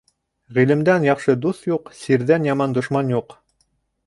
Ғилемдән яҡшы дуҫ юҡ, сирҙән яман дошман юҡ.